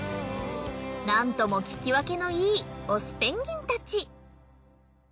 なんとも聞き分けのいいオスペンギンたち。